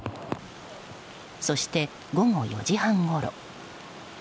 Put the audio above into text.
そして、午後４時半ごろ。